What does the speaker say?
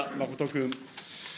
君。